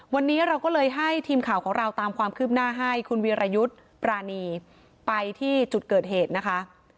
วันนี้เราก็เลยให้ทีมข่าวของเราตามความคืบหน้าให้คุณวีรยุทธ์ปรานีไปที่จุดเกิดเหตุนะคะ